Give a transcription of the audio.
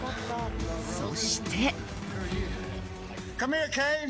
そして。